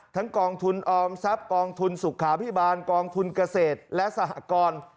กองทุนออมทรัพย์กองทุนสุขาพิบาลกองทุนเกษตรและสหกร